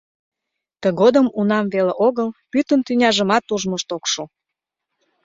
Тыгодым унам веле огыл, пӱтынь тӱняжымат ужмышт ок шу.